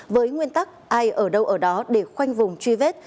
với nguyên tắc ai ở đâu ở đó để khoanh vùng truy vết